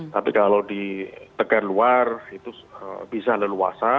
tapi kalau di tegar luar itu bisa leluasa